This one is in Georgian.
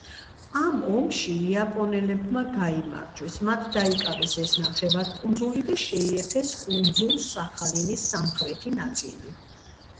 ამ ომში იაპონელებმა გაიმარჯვეს, მათ დაიკავეს ეს ნახევარკუნძული და შეიერთეს კუნძულ სახალინის სამხრეთი ნაწილი.